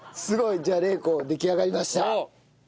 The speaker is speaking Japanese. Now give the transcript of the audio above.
すごい。じゃあ麗紅出来上がりました。